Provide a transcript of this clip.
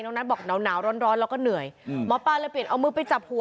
นัทบอกหนาวร้อนแล้วก็เหนื่อยหมอปลาเลยเปลี่ยนเอามือไปจับหัว